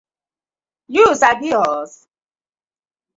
Yu sabi us?